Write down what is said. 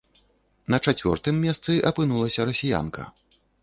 На чацвёртым месцы апынулася расіянка.